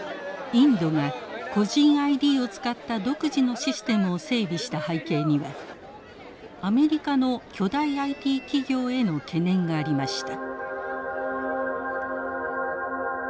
インドが個人ＩＤを使った独自のシステムを整備した背景にはアメリカの巨大ＩＴ企業への懸念がありました。